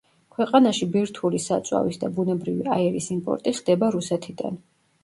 ქვეყანაში ბირთვული საწვავის და ბუნებრივი აირის იმპორტი ხდება რუსეთიდან.